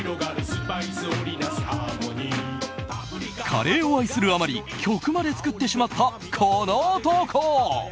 カレーを愛するあまり曲まで作ってしまった、この男。